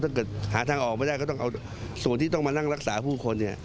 ถ้าหาทางออกด้วยก็ต้องเอาส่วนที่ต้องมารักษาผู้คนอย่างนี้